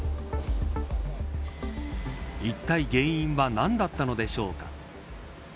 いったい原因は何だったのでしょうか。